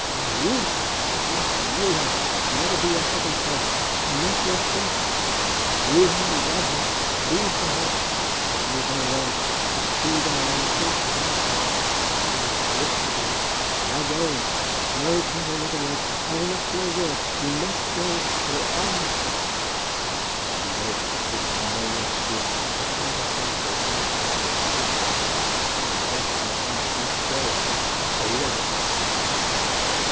But rule her! Yes, rule her! Let her be your second self, but not your first self. Rule her. Love her. Cleave to her. Do not leave her alone, to feed on her own thoughts as I have done, as I have been forced to do. Now go. No, Conway, not a word; I will not hear a word. You must go, or I must." Then she rose quickly from her lowly attitude, and prepared herself for a dart at the door. It was better by far that he should go, and so he went.